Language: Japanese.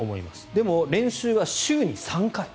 でも、練習は週に３回。